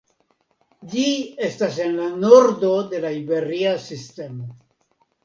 Ĝi estas en la nordo de la Iberia Sistemo.